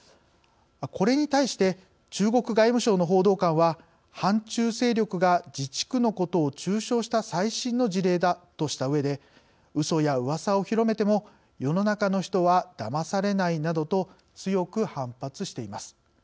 これに対して中国外務省の報道官は反中勢力が自治区のことを中傷した最新の事例だとしたうえでうそやうわさを広めても世の中の人はだまされないなどと強く反発しています。